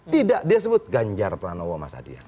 tidak dia sebut ganjar perang lawa mas ardian